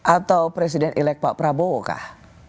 atau presiden elek pak prabowo kah